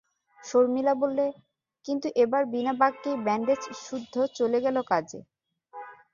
শর্মিলা বললে, কিন্তু- এবার বিনা বাক্যেই ব্যান্ডেজসুদ্ধ চলে গেল কাজে।